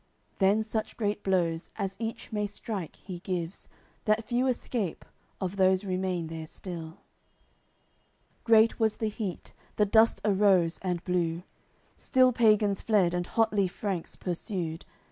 Then such great blows, as each may strike, he gives That few escape, of those remain there still. CCLXIV Great was the heat, the dust arose and blew; Still pagans fled, and hotly Franks pursued.